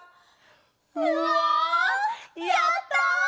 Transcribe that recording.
うわやった！